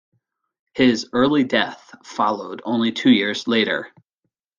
His early death followed only two years later.